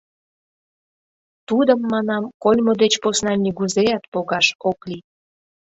Тудым, манам, кольмо деч посна нигузеат погаш ок лий...